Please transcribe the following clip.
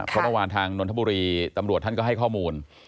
เพราะเมื่อวานทางนนทบุรีตำรวจท่านก็ให้ข้อมูล